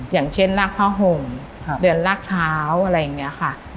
อย่างเช่นลากผ้าห่มเดือนลากเท้าอะไรอย่างนี้ค่ะ